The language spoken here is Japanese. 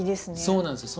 そうなんですよ。